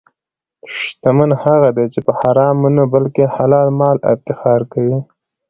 شتمن هغه دی چې په حرامو نه، بلکې حلال مال افتخار کوي.